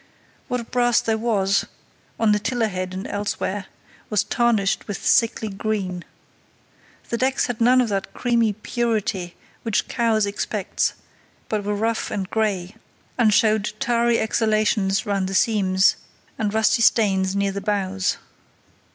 What brass there was, on the tiller head and elsewhere, was tarnished with sickly green. The decks had none of that creamy purity which Cowes expects, but were rough and grey, and showed tarry exhalations round the seams and rusty stains near the bows.